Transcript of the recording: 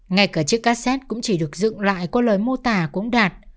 ngay cả chiếc cassette cũng chỉ được dựng lại có lời mô tả cũng đạt